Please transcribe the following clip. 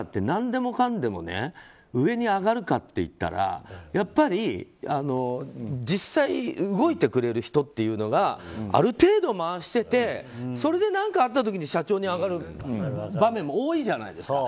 何でもかんでも上に上がるかっていったらやっぱり実際動いてくれる人がある程度回しててそれで何かあった時に社長に上がる場面も多いじゃない。